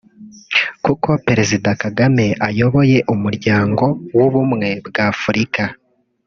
kuko Perezida Kagame ayoboye umuryango w’ubumwe bw’Afurika